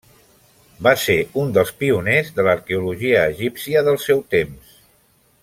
Va ser un dels pioners de l'arqueologia egípcia del seu temps.